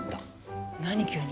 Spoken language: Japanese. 何急に？